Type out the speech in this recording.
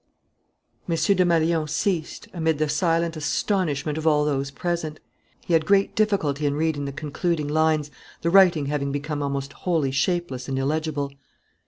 M. Desmalions ceased, amid the silent astonishment of all those present. He had great difficulty in reading the concluding lines, the writing having become almost wholly shapeless and illegible.